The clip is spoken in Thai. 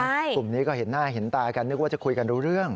กลุ่มนี้ก็เห็นหน้าเห็นตากันนึกว่าจะคุยกันรู้เรื่อง